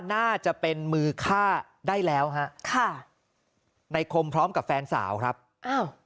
น่าจะเป็นมือฆ่าได้แล้วฮะค่ะในคมพร้อมกับแฟนสาวครับอ้าว